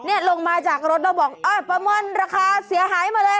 ลงมาจากรถแล้วบอกเอ้ยปลาม่อนราคาเสียหายมาเลย